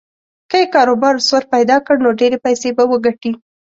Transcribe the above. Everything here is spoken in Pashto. که یې کاروبار سور پیدا کړ نو ډېرې پیسې به وګټي.